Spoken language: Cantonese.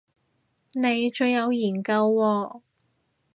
你最有研究喎